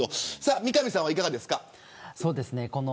三上さんはいかがですか。